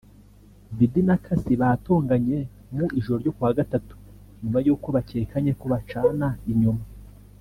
Diddy na Cassie batonganye mu ijoro ryo kuwa Gatatu nyuma y’uko bakekanye ko bacana inyuma